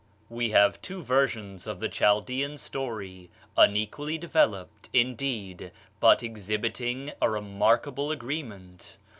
We have two versions of the Chaldean story unequally developed, indeed, but exhibiting a remarkable agreement.